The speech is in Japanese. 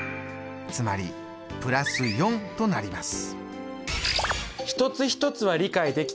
つまり＋４となります。